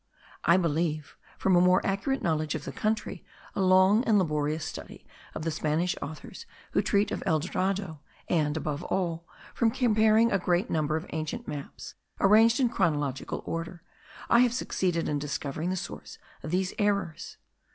I believe, from a more accurate knowledge of the country, a long and laborious study of the Spanish authors who treat of El Dorado, and, above all, from comparing a great number of ancient maps, arranged in chronological order, I have succeeded in discovering the source of these errors.